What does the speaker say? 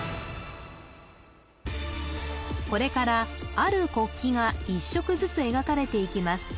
これからある国旗が１色ずつ描かれていきます